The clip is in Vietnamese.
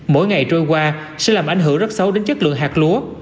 mỗi ngày trôi qua sẽ làm ảnh hưởng rất xấu đến chất lượng hạt lúa